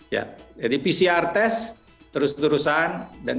jadi pcr test terus terusan